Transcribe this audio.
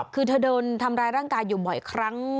คือเธอโดนทำร้ายร่างกายอยู่บ่อยครั้ง